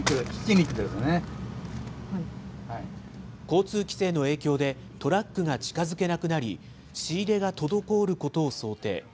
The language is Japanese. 交通規制の影響で、トラックが近づけなくなり、仕入れが滞ることを想定。